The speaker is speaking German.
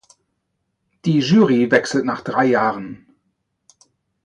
Die Jury wechselt nach drei Jahren.